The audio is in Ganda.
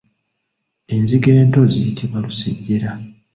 Enzige ento ziyitibwa lusejjera.